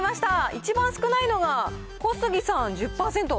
一番少ないのが小杉さん、１０％。